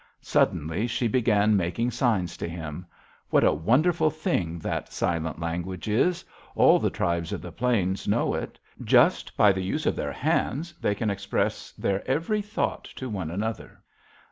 Suddenly she began making signs to him. What a wonderful thing that silent language is! All the tribes of the plains know it. Just by the use of their hands they can express their every thought to one another.